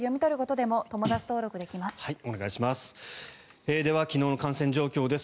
では、昨日の感染状況です。